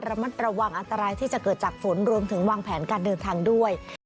ระมัดระวังอันตรายที่จะเกิดจากฝนรวมถึงวางแผนการเดินทางด้วย